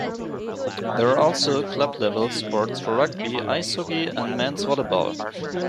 There are also club-level sports for rugby, ice hockey, and men's volleyball.